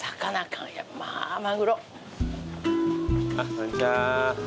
こんにちは。